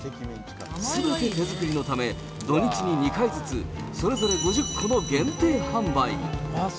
すべて手作りのため、土日に２回ずつ、それぞれ５０個の限定販売。